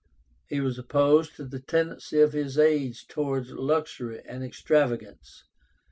He was opposed to the tendency of his age towards luxury and extravagance.